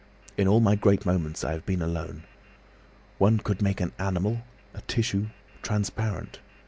In all my great moments I have been alone. 'One could make an animal—a tissue—transparent!